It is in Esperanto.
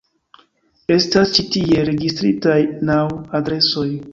Estas ĉi tie registritaj naŭ adresoj.